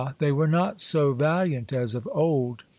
they were not so vahant as of old.